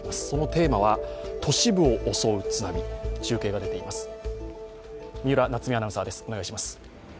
そのテーマは都市部を襲う津波、中継が出ています。